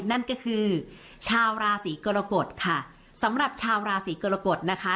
นั่นก็คือชาวราศีกรกฎค่ะสำหรับชาวราศีกรกฎนะคะ